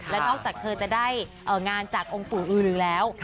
และนอกจากเธอจะได้งานจากองค์ปู่อือรือแล้ว